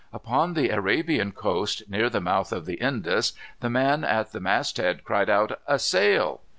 Upon the Arabian coast, near the mouth of the Indus, the man at the mast head cried out, "A sail."